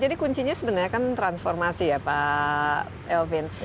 jadi kuncinya sebenarnya kan transformasi ya pak elvin